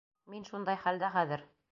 Мин шундай хәлдә хәҙер...